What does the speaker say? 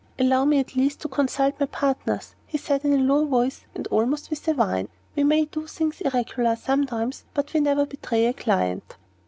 "Allow me at least to consult my partners," he said, in a low voice and almost with a whine; "we may do things irregular sometimes, but we never betray a client."